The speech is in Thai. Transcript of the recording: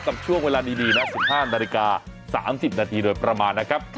กับช่วงเวลาดีนะ๑๕นาฬิกา๓๐นาทีโดยประมาณนะครับ